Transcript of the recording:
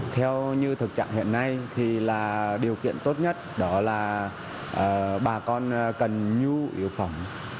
theo như thực trạng hiện nay thì là điều kiện tốt nhất đó là bà con cần nhu yếu phẩm